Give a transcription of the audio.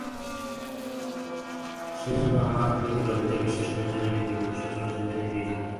সেইজন্য আমার প্রতি প্রজাদের বিশ্বাস নাই, সেইজন্যই দুর্ভিক্ষের সূচনা, সেইজন্যই এই যুদ্ধ।